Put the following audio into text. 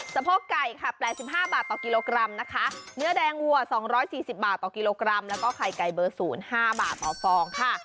โพกไก่ค่ะ๘๕บาทต่อกิโลกรัมนะคะเนื้อแดงวัว๒๔๐บาทต่อกิโลกรัมแล้วก็ไข่ไก่เบอร์๐๕บาทต่อฟองค่ะ